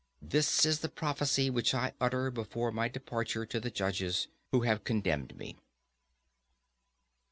This is the prophecy which I utter before my departure to the judges who have condemned me.